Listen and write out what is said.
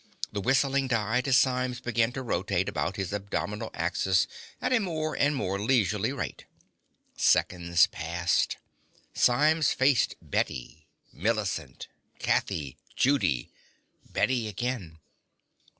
The whistling died as Symes began rotating about his abdominal axis at a more and more leisurely rate. Seconds passed. Symes faced Bette ... Millicent ... Kathy ... Judy ... Bette again